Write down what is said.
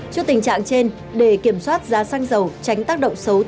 trước tình trạng trên để kiểm soát giá xăng dầu